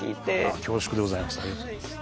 恐縮でございます。